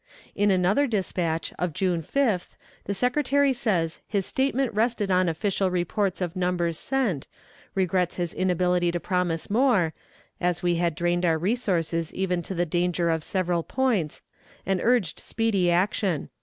In another dispatch, of June 5th, the Secretary says his statement rested on official reports of numbers sent, regrets his inability to promise more, as we had drained our resources even to the danger of several points, and urged speedy action.